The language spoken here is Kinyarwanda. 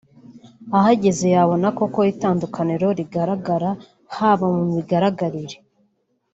ahageze yabona koko itandukaniro rigaragara haba mu migaragarire